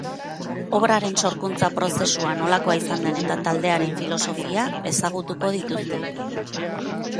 Obraren sorkuntza prozesua nolakoa izan den eta taldearen filosofia ezagutuko dituzte.